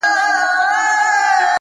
زړه مي را خوري_